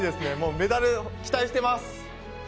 メダル期待してます！